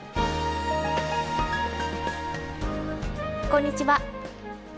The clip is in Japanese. こんにちは。